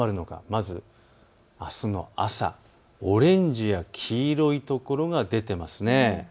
まずあすの朝、オレンジや黄色いところが出ています。